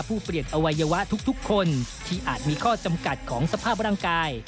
เปลี่ยนอวัยวะทุกคนที่อาจมีข้อจำกัดของสภาพร่างกาย